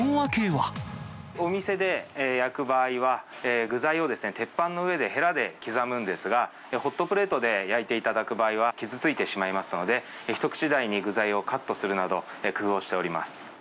お店で焼く場合は、具材を鉄板の上で、へらで刻むんですが、ホットプレートで焼いていただく場合は、傷ついてしまいますので、一口大に具材をカットするなど、工夫をしております。